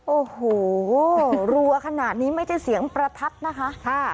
โอ้โหรัวขนาดนี้ไม่ใช่เสียงประทัดนะคะ